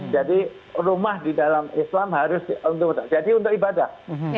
jadi rumah di dalam islam harus untuk ibadah